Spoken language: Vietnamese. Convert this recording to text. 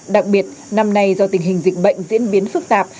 đặc biệt năm nay do tình hình dịch bệnh diễn biến phức tạp